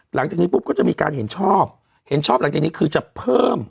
หลังจากนี้ปุ๊บก็จะมีการเห็นชอบเห็นชอบหลังจากนี้คือจะเพิ่ม